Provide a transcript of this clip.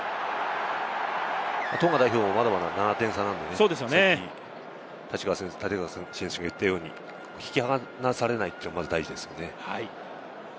トンガ代表もまだまだ７点差なので、立川選手が言ったように引き離されないというのがまず大事ですね。